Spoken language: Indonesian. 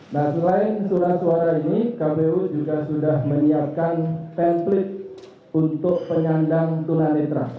nah selain surat suara ini kpu juga sudah menyiapkan template untuk penyandang tunanitra